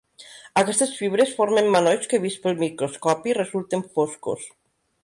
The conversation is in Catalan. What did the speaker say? Aquestes fibres formen manolls que vists pel microscopi resulten foscos.